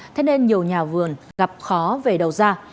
thế nên nhiều nhà vườn gặp khó về đầu ra